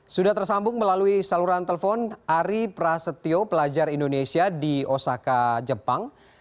sudah tersambung melalui saluran telepon ari prasetyo pelajar indonesia di osaka jepang